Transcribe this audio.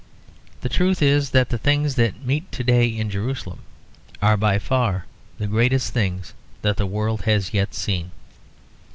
The truth is that the things that meet to day in Jerusalem are by far the greatest things that the world has yet seen.